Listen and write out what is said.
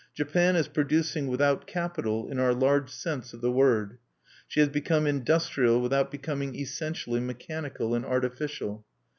Japan is producing without capital, in our large sense of the word. She has become industrial without becoming essentially mechanical and artificial.